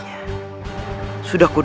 saya harus lihat hidupku